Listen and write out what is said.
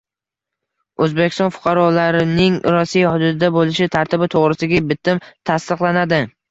O‘zbekiston fuqarolarining Rossiya hududida bo‘lishi tartibi to‘g‘risidagi bitim tasdiqlanadi